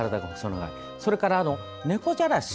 それから、ねこじゃらし